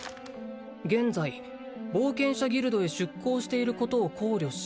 「現在冒険者ギルドへ出向していることを考慮し」